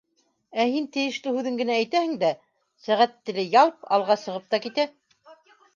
Ә һин тейешле һүҙен генә әйтәһең дә сәғәт теле —ялп —алға сығып та китә!